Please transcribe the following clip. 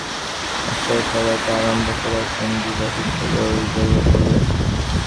প্রাতঃকাল হইতে বিভাকে তিনি স্বহস্তে সাজাইতে আরম্ভ করিয়াছেন– বিভা বিষম গোলযোগে পড়িয়াছে।